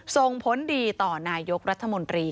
ส่งผลดีต่อนายกรัฐมนตรี